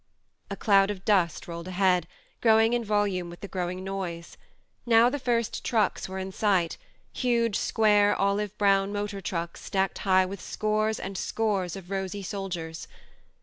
A cloud of dust rolled ahead, grow ing in volume with the growing noise ; now the first trucks were in sight, huge square olive brown motor trucks stacked high with scores and scores of rosy soldiers.